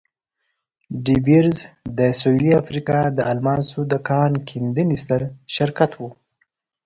ډي بیرز د سوېلي افریقا د الماسو د کان کیندنې ستر شرکت وو.